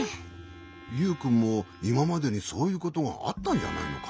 ユウくんもいままでにそういうことがあったんじゃないのかい？